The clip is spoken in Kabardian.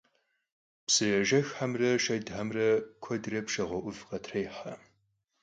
Psıêjjexxemre şşedxemre kuedre pşşağue 'Uv khatrêhe.